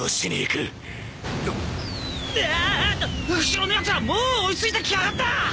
後ろのやつらもう追い付いてきやがった！